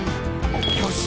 「よし！